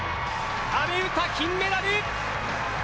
阿部詩、金メダル。